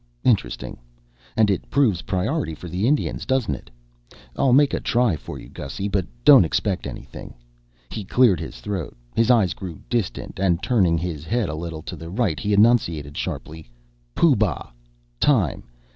Interesting and it proves priority for the Indians, doesn't it? I'll make a try for you, Gussy, but don't expect anything." He cleared his throat, his eyes grew distant and, turning his head a little to the right, he enunciated sharply, "Pooh Bah.